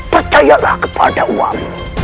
percayalah kepada uamu